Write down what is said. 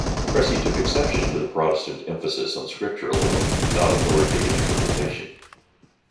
Cressy took exception to the Protestant emphasis on scripture alone without authoritative interpretation.